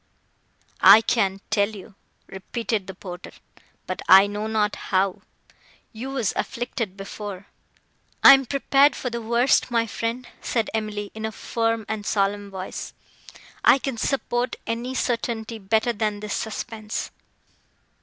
"I can tell you," repeated the porter,—"but I know not how—you were afflicted before.—" "I am prepared for the worst, my friend," said Emily, in a firm and solemn voice. "I can support any certainty better than this suspense."